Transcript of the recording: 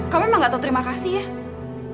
kamu memang gak tahu terima kasih ya